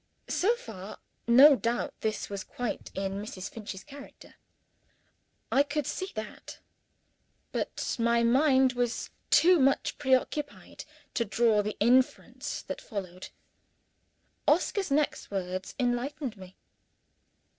So far, no doubt, this was quite in Mrs. Finch's character. I could see that but my mind was too much pre occupied to draw the inference that followed. Oscar's next words enlightened me.